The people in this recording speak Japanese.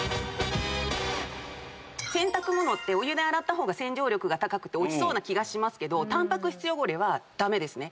お湯で洗った方が洗浄力が高くて落ちそうな気がしますけどタンパク質汚れは駄目ですね。